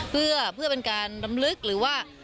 เพื่อเป็นการรำลึกหรือว่า